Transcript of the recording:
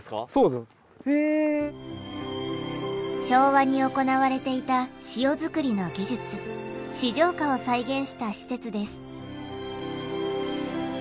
昭和に行われていた塩作りの技術枝条架を再現した施設です。